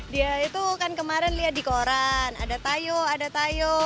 dia itu kan kemarin lihat di koran ada tayo ada tayo